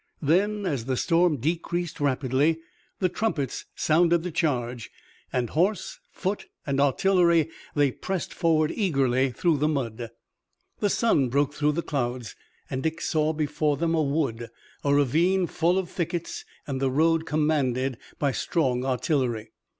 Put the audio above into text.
Then, as the storm decreased rapidly the trumpets sounded the charge, and horse, foot and artillery, they pressed forward eagerly through the mud. The sun broke through the clouds, and Dick saw before them a wood, a ravine full of thickets, and the road commanded by strong artillery.